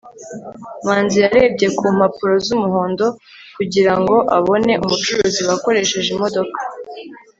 manzi yarebye mu mpapuro z'umuhondo kugira ngo abone umucuruzi wakoresheje imodoka